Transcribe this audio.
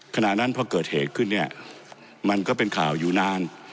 ขณะนั้นพอเกิดเหตุขึ้นเนี่ยมันก็เป็นข่าวอยู่นาน